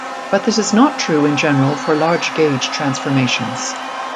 But this is not true in general for large gauge transformations.